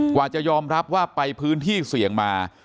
กว่าจะยอมรับว่าไปพื้นที่เสี่ยงมา